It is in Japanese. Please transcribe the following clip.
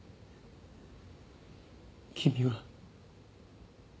君は。